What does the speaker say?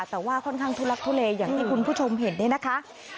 แต่ว่าค่อนข้างทุลักทุเลอย่างที่คุณผู้ชมเห็นนี่นะคะ